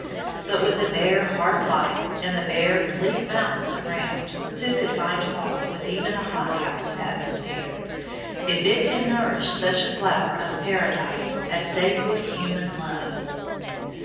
But with the bare, hard life, and the bare, bleak mountains around, who could find fault with even a hothouse atmosphere, if it can nourish such a flower of Paradise as sacred human love?